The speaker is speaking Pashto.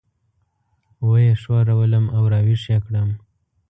وه یې ښورولم او راويښ یې کړم.